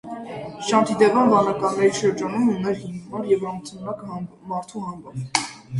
Շանթիդևան վանականների շրջանում ուներ հիմար և անընդունակ մարդու համբավ։